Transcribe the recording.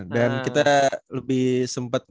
dan kita lebih sempet